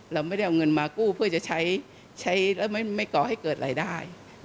เราไม่ได้เอาเงินมากู้เพื่อจะใช้แล้วไม่ก่อให้เกิดรายได้